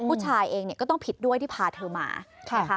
ผู้ชายเองเนี่ยก็ต้องผิดด้วยที่พาเธอมานะคะ